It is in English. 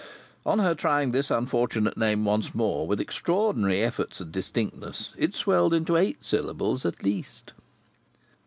On her trying this unfortunate name once more, with extraordinary efforts at distinctness, it swelled into eight syllables at least.